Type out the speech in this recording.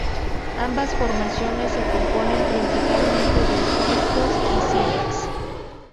Ambas formaciones se componen principalmente de esquisto y sílex.